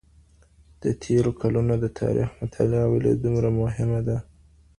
د تېرو کلونو د تاریخ مطالعه ولې دومره مهمه ده؟